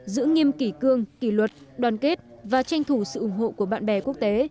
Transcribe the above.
giữ nghiêm kỷ cương kỷ luật đoàn kết và tranh thủ sự ủng hộ của bạn bè quốc tế